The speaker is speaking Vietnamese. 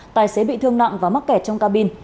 tài xế bị thương nặng và mắc kẹt trong cabin